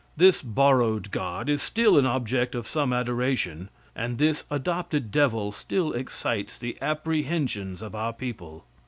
This borrowed god is still an object of some adoration, and this adopted devil still excites the apprehensions of our people.